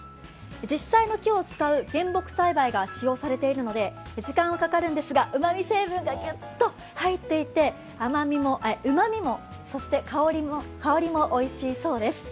実際の木を使う原木栽培が使用されているので、時間はかかるんですが、うまみ成分がぎゅっと入っていてうまみも、香りもおいしいそうです